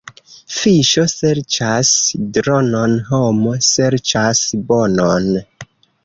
Fiŝo serĉas dronon, homo serĉas bonon.